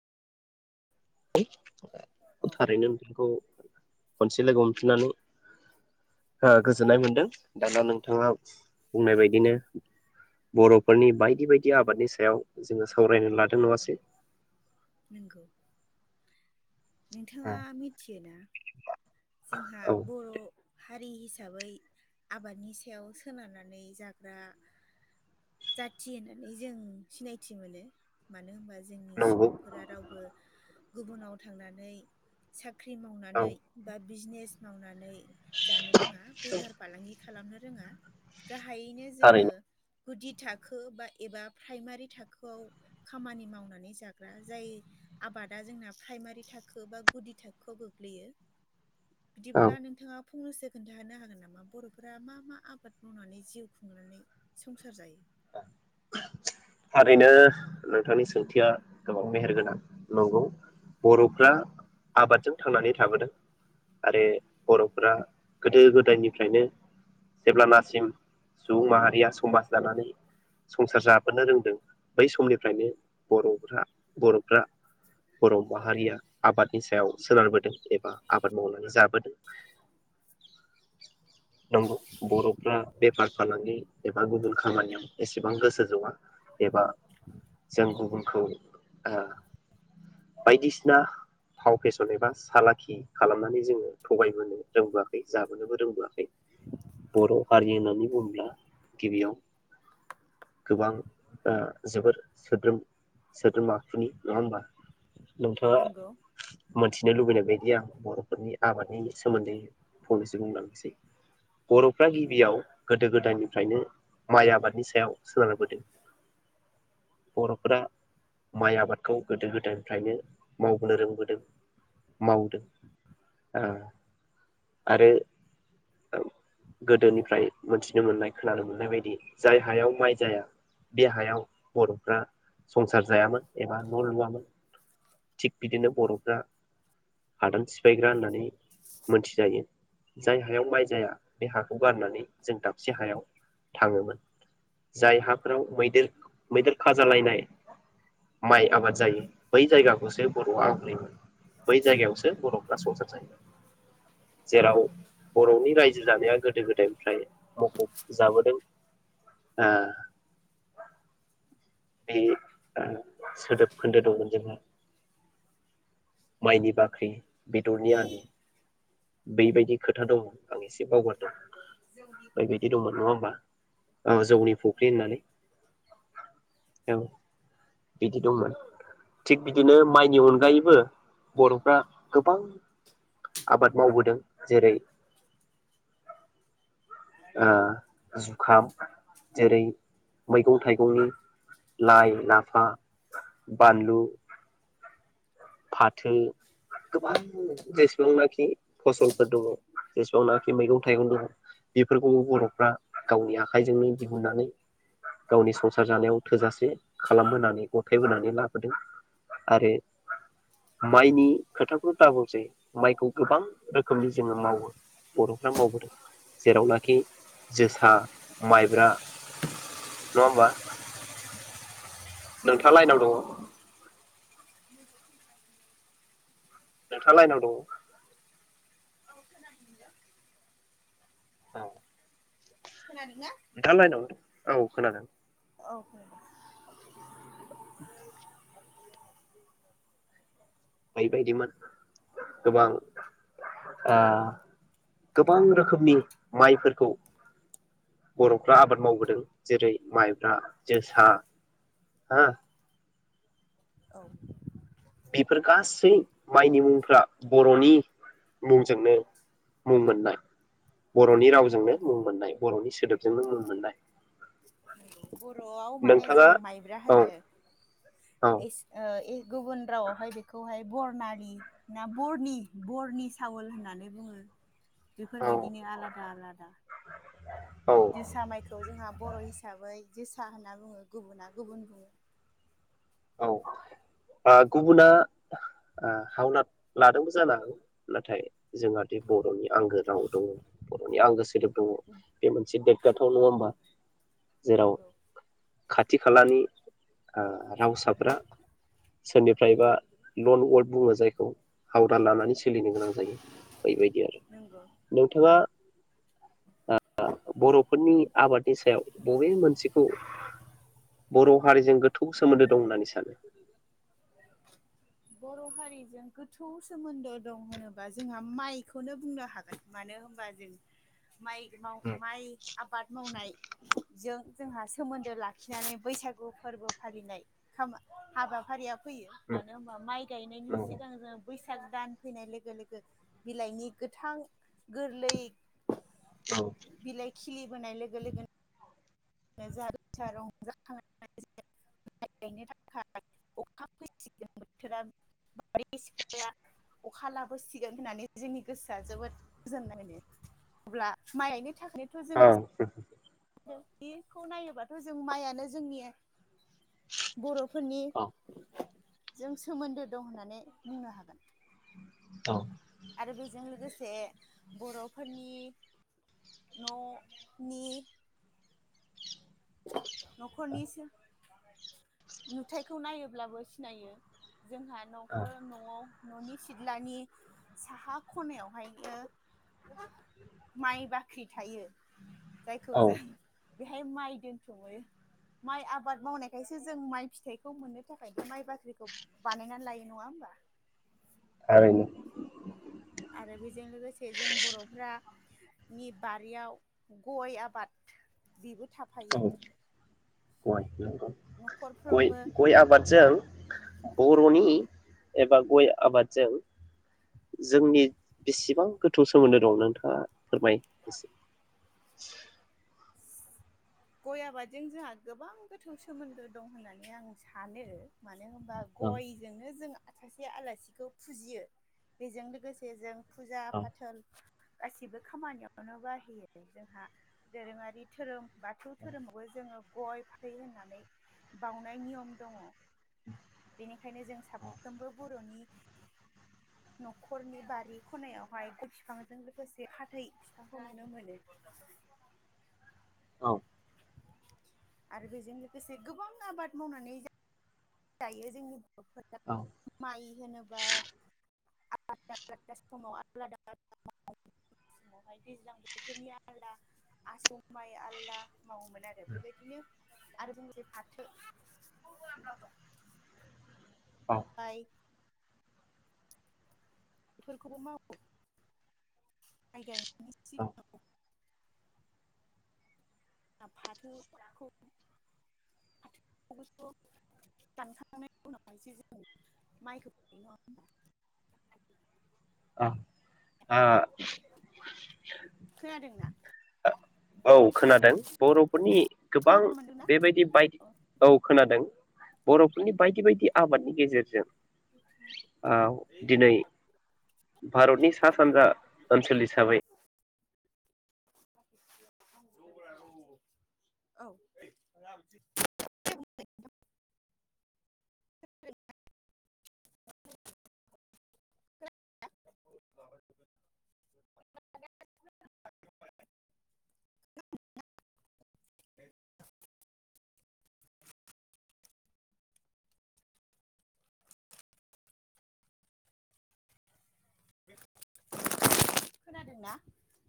औ [unintelligible] थारैनो नोंथांखौ खनसे लोगो हमफिननानै ओ‌ गोजोननाय मोन्दों। दाना नोंथाङा। बुंनाय बायदिनो बरफोरनि बायदि बायदि आबादनि सायाव जोङो सावरायनो लादों नङासै? नोंगौ। नोंथाङा मिथियोना? जोंहा औ बर' हारि हिसाबै आबादनि सायाव सोनारनानै जाग्रा जाथि होननानै जों सिनायथि मोनो मानो होनबा। जोंनि नंगौ सुबुंफोरा रावबो गुबुनाव थांनानै साख ख्रि औ मावनानै। बा बिजनेस मावनानै। जानो रोङा बेफार फालांगि। खालामनो रोङा। गाहायैनो जोङो थारैनो गुदि थाखो बा एबा प्राइमारि थाखोआव खामानि मावनानै जाग्रा जाय आबादा जोंना प्राइमारि थाखो बा गुदि थाखोआव गोग्लैयो। औ बिदिब्ला नोंथाङा फंनैसो खोन्थाहो हागोन नामा बर फोरा मा मा आबाद मावनानै जिउ खुंनानै संसार जायो। ओ थारैनो नोंथांनि सोंथिया गोबां मेहेरगोनां नंगौ बरफ्रा आबादजों थांनानै थाबोदों आरो बरफोरा गोदो गोदायनिफ्रायनो जेब्लानासिम सुबुं माहारिया समाज दानानै संसार जाबोनो रोंदों बै समनिफ्रायनो बरफ्रा बरफ्रा बर माहारिया आबादनि सायाव सोनारबोदों एबा आबाद मावनानै जाबोदों नंगौ बरफ्रा बेफार फालांगि एबा गुबुन खामानियाव एसेबां गोसो जवा एबा जों गुबुनखौ ओ बायदिसिना फाव फेसन एबा सालाखि खालामनानै जोङो थगायबोनो रोंबोआखै जाबोनोबो रोंबोआखै बर हारि होननानै बुङोब्ला गिबियाव गोबां ओ जोबोर सोद्रोम सोद्रोम आखुनि नङा होमबा। नोंथाङा नंगौ मोनथिनो लुबैनाय बायदि आं बर फोरनि आबादनि सोमोन्दै फंनैसो बुंलांनोसै बरफ्रा गिबियाव गोदो गोदायनिफ्रायनो माइ आबादनि सदै सायाव सोनारबोदों बर फोरा माइ आबादखौ गोदो गोदायनिफ्रायनो मावबोनो रोंबोदों मावदों आं आरो गोदोनिफ्राय मोनथिनो मोननाय खोनानो मोननाय बायदि जाय हायाव माइ जाया। बे हायाव बरफ्रा संसार जायामोन एबा न‌ लुवामोन। थिग बिदिनो नंगौ बरफ्रा हादान सिफायग्रा होननानै मोनथिजायो जाय हायाव माइ जाया बे हाखौ गारनानै जों दाबसे हायाव थाङोमोन। जाय हाफोराव मैदेर मैदेर खाजालायनाय माइ आबाद जायो बै जायगाखौसो बरआ आंग्रैमोन बै जायगायावसो बरफ्रा संसार जायोमोन जेराव बरनि रायजो जानाया गोदो गोदाय। ओमफ्राय मखुब जाबोदों। ह। बे ओ सोदोब खोन्दो दंमोन जोंहा। माइनि बाख्रि बेदरनि आलि बेबायदि खोथा दङ आं एसि। बावगारदों बायदि दंमोन नङा होमबा औ जौनि फुख्रि होननानै औ बिदि दंमोन थि बिदिनो माइ। आंनि अनगायैबो। बरफ्रा गोबां आबाद मावबोदों जेरै ओ जुखाम जेरै मैगं थाइगंनि लाइ लाफा बानलु फाथो गोबां जेसेबांनाखि फसलफोर दङ जेसेबांनाखि मैगं थाइगं दङ बेफोरखौ बरफ्रा गावनि आ खाइजोंनो दिहुननानै गावनि संसार जानायाव थोजासे खालामबोनानै गथायबोनानै लाबोदों आरो माइनि खोथाखौ दाबुंसै माइखौ गोबां रोखोमनि जोङो मावो बरफ्रा मावबोदों। जेरावनाखि जोसा माइब्रा नङा होमबा? नोंथांङा लाइनाव दङ? नोंथा लाइनाव दङ? औ खोनादोंदे। औ। नोंथाङा लाइनाव औ खोनादों। औ [inaudible] बैबायदिमोन गोबां ओ गोबां रोखोमनि माइफोरखौ बरफ्रा आबाद मावबोदों जेरै माइब्रा जोसा औ बेफोर गासै माइनि मुंफ्रा बरनि मुंजोंनो मुं मोननाय बरनि रावजोंनो नंगौ मुं मोननाय बरनि सोदोब जोंनो मुं मोननाय बरआव माने जों नोंथाङा माइब्रा औ होनो औ इस ओ गुबुन रावआवहाय बेखौहाय बरनालि ना बरनि बरनि सावोल होननानै बुङो औ बेफोरबायदिनो आलादा आलादा औ जोसा माइखौ जोंहा बर हिसाबै जोसा होनना बुङो गुबुना गुबुन बुङो औ ओ गुबुना ओ हावलाद लादोंबो जानो हागौ नाथाय जोंहादि बरनि आंगो राव दङ बरनि आंगो सोदोब ब बे मोनसे देंखो जाथाव नङा होमबा जेराव नोंगौ खाथि खालानि ओ रावसाफ्रा सोरनिफ्रायबा लन वर्ड बुङो जायखौ हावदा लानानै सो सोलिनो गोनां जायो बैबायदि आरो नंगौ नोंथाङा ओ बरफोरनि आबादनि सायाव बबे मोनसेखौ बर हारिजों गोथौ सोमोन्दो दं होननानै सानो बर हारिजों गोथौ सोमोन्दो दं होनोबा जोंहा माइखौनो बुंनो हागोन मानो होनबा जों माइ माव माइ आबाद मावनाय जों जोंहा सोमोन्दो लाखिनानै बैसागु फोरबो फालिनाय हामा हाबाफारियाव फैयो मानो होम माइ गायनायनि औ सिगां जों बैसाग दान फैनाय लोगो लोगो बिलाइनि गोथां गोरलै बिलायखि खिलिबोनाय लोगो लोगोनो [unintelligible] अखा लाबोसिगोन होननानै जोंनि गोसोआ जोबोद गोजोननाय मोनो अब्ला माइ [unintelligible] जों औ गोसो बेखौ नायोबाथ जों माइयानो जोंनि बर फोरनि औ जों सोमोन्दो दं होननानै बुंनो हागोन औ आरो बेजों लोगोसे बरफोरनि न नि [unintelligible] नखरनि [unintelligible] नुथायखौ नायोब्लाबो सिनायो जोंहा नखर नआव न'नि सिथ्लानि साहा ख'नायावहायनो माइ बाख्रि थायो‌। जायखौ औ जों बेहाय माइ दोनथुमो माइ आबाद मावनायखायसो जों माइ फिथाइखौ मोननो थाखाय माइ बाख्रिखौ बानायनानै लायो नङा होमबा? थारैनो आरो बेजों लोगोसे जों बर'फोरा नि बारियाव गय आबाद बेबो थाफायो गय [unintelligible] गय न'खरफ्रोमबो गय आबादजों बर'नि एबा गय आबादजों जोंनि बेसेबां गोथौ सोमोन्दो दं नोंथाङा फोरमाय एसे गय आबादजों जोंहा गोबां गोथौ सोमोन्दो दं होननानै आं सानो माने नो होनबा औ गयजोंनो जों सासे आलासिखौ फुजियो बेजों लोगोसे जों फुजा औ फाथल गासिबो खामानियावनो बाहयो जोंहा दोरोङारि धोरोम बाथौ धोरोमावबो जोङो गय फाथै होननानै बाउनाय नियम दङ बेनिखायनो जों साफ्रोमबो बर'नि न'खरनि बारि ख'नायावहाय गय बिफांजों लोगोसे फाथै बिफांखौ नुनो मोनो औ आरो बेजों लोगोसे गोबां आबाद मावनानै जा जायो जोंनि औ [unintelligible] माइ होनोबा आलादा आलादा समाव आलादा आलादा समावहाय दैज्लां बोथोरनि आलादा आसौ माइ आलादा मावोमोन आरो बेबायदिनो आरो [unintelligible] जे फाथो औ बाय बेफोरखौबो मावो माइ गायनो औ फाथोखौ फाथो खौबोथ दानखांनायनि उनावहायसो जों माइखौ गायो नङा होनबा? अ खोनादोंना ओं औ खोनादों बर'फोरनि गोबां खोनानो मोनदोंना बेबायदि बायदि औ खोनादों। बर'फोरनि बायदि बायदि आबादनि गेजेरजों ओ दिनै भारतनि सा सानजा ओनसोल हिसाबै [unintelligible] औ [unintelligible] [unintelligible] [inaudible] खोनादोंना?